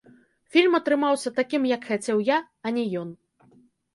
Фільм атрымаўся такім, як хацеў я, а не ён.